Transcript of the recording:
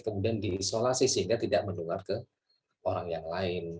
kemudian diisolasi sehingga tidak menular ke orang yang lain